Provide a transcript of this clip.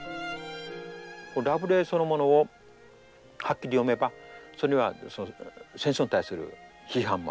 ラブレーそのものをはっきり読めばそれは戦争に対する批判もある。